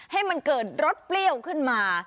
ให้มันเกิดรสเปรี้ยวขึ้นมา